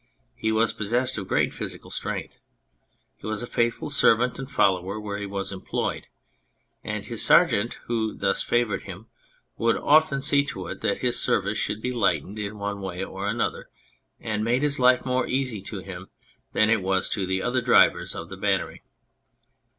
He was possessed of great physical strength ; he was a faithful servant and follower where he was employed. And his Sergeant who thus favoured him would often see to it that his service should be lightened in one way or another, and made his life more easy to him than it was to the other drivers of the battery.